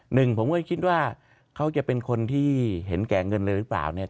หนึ่งผมก็คิดว่าเขาจะเป็นคนที่เห็นแก่เงินเลยหรือเปล่าเนี่ย